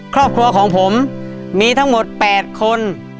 ครอบครัวของผมมีทั้งหมด๘คน